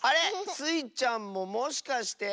スイちゃんももしかして？